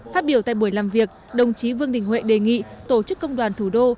phát biểu tại buổi làm việc đồng chí vương đình huệ đề nghị tổ chức công đoàn thủ đô